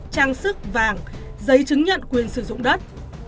trang sức vàng giấy chứng nhận quyền sử dụng đất